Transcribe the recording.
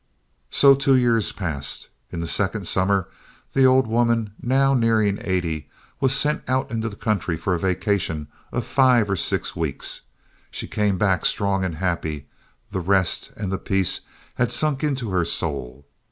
So two years passed. In the second summer the old woman, now nearing eighty, was sent out in the country for a vacation of five or six weeks. She came back strong and happy; the rest and the peace had sunk into her soul.